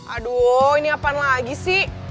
aduh ini apaan lagi sih